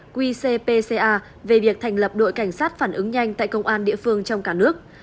qcpca về việc thành lập đội cảnh sát phản ứng nhanh tại công an địa phương trong cả nước